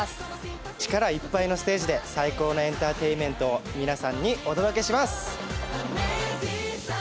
力いっぱいのステージで最高のエンターテインメントを皆さんにお届けします。